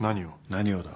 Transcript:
何をだ。